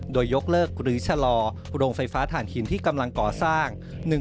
โดยยกเลิกหรือชะลอโรงไฟฟ้าฐานหินที่กำลังก่อสร้าง